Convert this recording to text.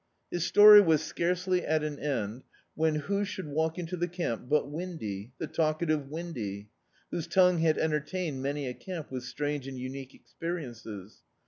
His story was scarcely at an end when who should walk into die camp but Windy, the talkative Windy, whose tongue had entertained many a camp with strange and unique experiences.